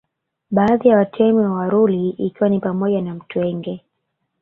Baadhi ya Watemi wa Waruri ikiwa ni pamoja na Mtwenge